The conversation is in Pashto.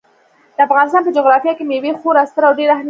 د افغانستان په جغرافیه کې مېوې خورا ستر او ډېر اهمیت لري.